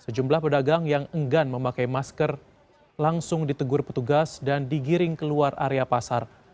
sejumlah pedagang yang enggan memakai masker langsung ditegur petugas dan digiring keluar area pasar